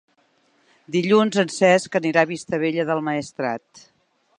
Dilluns en Cesc anirà a Vistabella del Maestrat.